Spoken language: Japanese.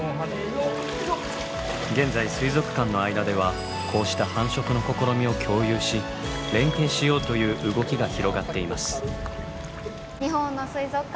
現在水族館の間ではこうした繁殖の試みを共有し連携しようという動きが広がっています。